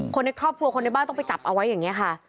คนในครอบครัวคนในบ้านต้องไปจับเอาไว้อย่างนี้ค่ะ